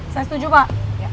saya setuju pak